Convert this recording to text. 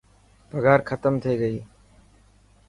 پگهار ختم ٿي گئي.